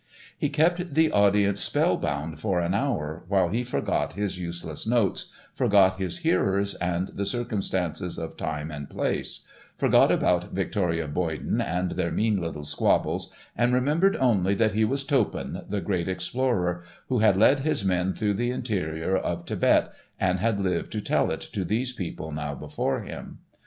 He kept the audience spell bound for an hour, while he forgot his useless notes, forgot his hearers and the circumstances of time and place, forgot about Victoria Boyden and their mean little squabbles and remembered only that he was Toppan, the great explorer, who had led his men through the interior of Thibet, and had lived to tell it to these people now before him.